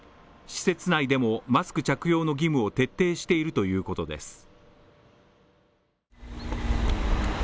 施設内でもマスク着用の義務を徹底しているということです。